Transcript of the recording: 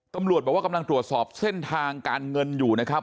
ตำรวจบอกว่ากำลังตรวจสอบเส้นทางการเงินอยู่นะครับ